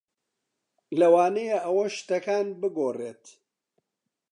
لەوانەیە ئەوە شتەکان بگۆڕێت.